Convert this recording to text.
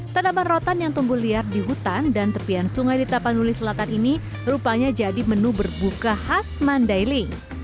tanaman rotan yang tumbuh liar di hutan dan tepian sungai di tapanuli selatan ini rupanya jadi menu berbuka khas mandailing